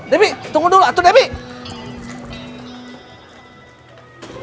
debbie tunggu dulu atu debbie